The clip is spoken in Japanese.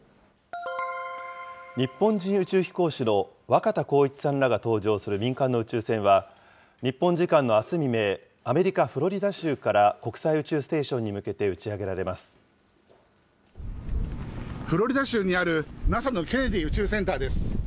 日本人宇宙飛行士の若田光一さんらが搭乗する民間の宇宙船は、日本時間のあす未明、アメリカ・フロリダ州から国際宇宙ステーシフロリダ州にあるＮＡＳＡのケネディ宇宙センターです。